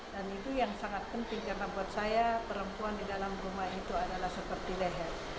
dan itu yang sangat penting karena buat saya perempuan di dalam rumah itu adalah seperti leher